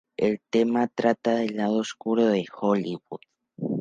El tema trata el lado oscuro de Hollywood.